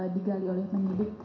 digali oleh penyidik